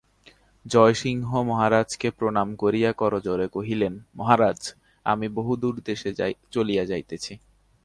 জয়সিংহ মহারাজকে প্রণাম করিয়া করজোড়ে কহিলেন, মহারাজ, আমি বহুদূরদেশে চলিয়া যাইতেছি।